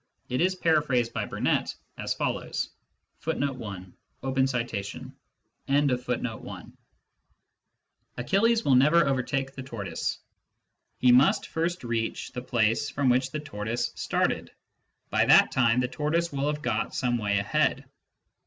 It is paraphrased by Burnet as follows :^" Achilles will never overtake the tortoise. He must first reach the place from which the tortoise started. By that time the tortoise will have got some way ahead.